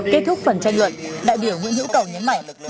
kết thúc phần tranh luận đại biểu nguyễn hữu cầu nhấn mạnh